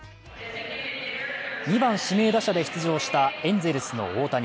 ２番・指名打者で出場したエンゼルスの大谷。